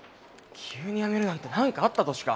急にやめるなんて何かあったとしか。